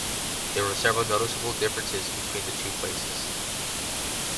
There were several noticeable differences between the two places.